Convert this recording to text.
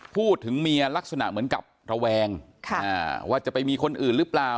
เมียลักษณะเหมือนกับระแวงว่าจะไปมีคนอื่นหรือเปล่า